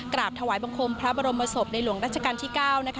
กราบถวายบังคมพระบรมศพในหลวงรัชกาลที่๙